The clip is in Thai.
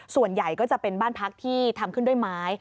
ส่วนใหญ่ก็จะเป็นบ้านพักที่ทำขึ้นด้วยไม้